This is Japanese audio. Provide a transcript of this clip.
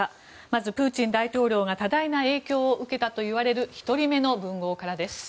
まずプーチン大統領が多大な影響を受けたといわれる１人目の文豪からです。